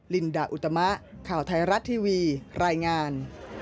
ลินดาอุตมะข่าวไทยรัฐทีวีรายงาน